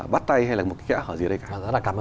bắt tay hay là một cái kẽ hở gì ở đây cả rất là cảm ơn